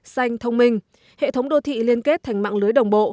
xanh thông minh hệ thống đô thị liên kết thành mạng lưới đồng bộ